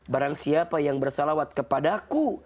barang siapa yang bersalawat kepada aku